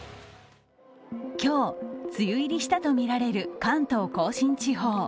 今日、梅雨入りしたとみられる関東甲信地方。